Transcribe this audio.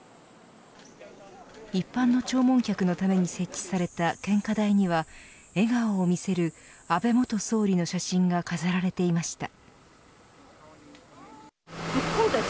一般の弔問客のために設置された献花台には笑顔を見せる安倍元総理の写真が飾られていました。